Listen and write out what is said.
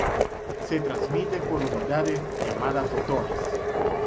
Se transmite por unidades llamadas fotones.